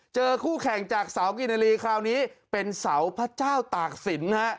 คู่แข่งจากเสากินนาลีคราวนี้เป็นเสาพระเจ้าตากศิลป์ฮะ